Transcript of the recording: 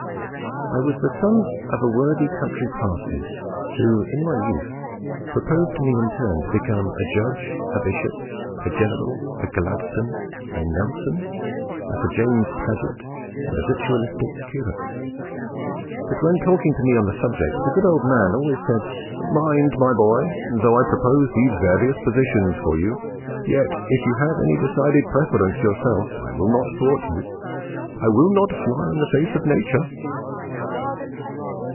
I was the son of a worthy country parson, who in my youth proposed to me in turn to become a judge, a bishop, a general, a Gladstone, a Nelson, a Sir James Paget, and a ritualistic curate; but when talking to me on the subject the good old man always said, "Mind, my boy, though I propose these various positions for you, yet, if you have any decided preference yourself, I will not thwart you, I will not fly in the face of nature."